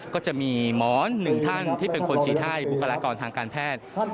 ก็จะมีหมอนหนึ่งท่านที่เป็นคนฉีดให้บุคลากรทางการแพทย์